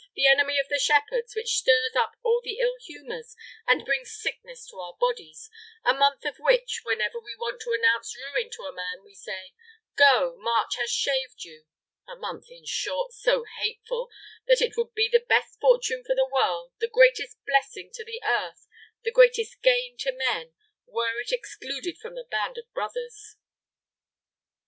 the enemy of the shepherds, which stirs up all the ill humors and brings sickness to our bodies—a month of which, whenever we want to announce ruin to a man, we say, 'Go; March has shaved you,' a month, in short, so hateful that it would be the best fortune for the world, the greatest blessing to the earth, the greatest gain to men, were it excluded from the band of brothers."